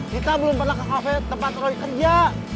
kita belum pernah ke cafe tempat roy kerja